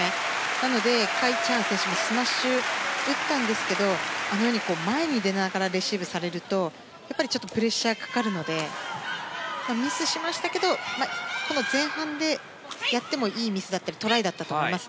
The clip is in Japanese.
なので、カ・イチハン選手もスマッシュ打ったんですけどあのように前に出ながらレシーブされるとやっぱりプレッシャーがかかるのでミスしましたけど前半でやってもいいミスだったりトライだったと思います。